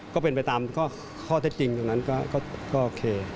ก็เป็นไปตามข้อเท็จจริงตรงนั้นก็โอเค